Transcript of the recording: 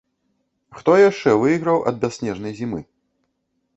Хто яшчэ выйграў ад бясснежнай зімы?